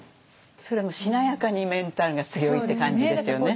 それもしなやかにメンタルが強いって感じですよね。